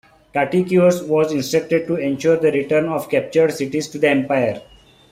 Tatikios was instructed to ensure the return of captured cities to the empire.